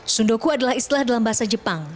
sundoku adalah istilah dalam bahasa jepang